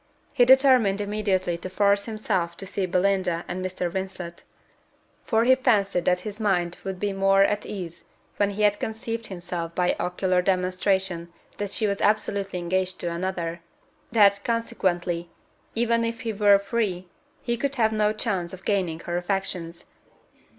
He determined immediately to force himself to see Belinda and Mr. Vincent; for he fancied that his mind would be more at ease when he had convinced himself by ocular demonstration that she was absolutely engaged to another; that, consequently, even if he were free, he could have no chance of gaining her affections.